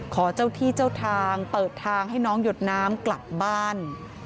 ขอเจ้าที่เจ้าทางเปิดทางให้น้องหยดน้ำกลับบ้าน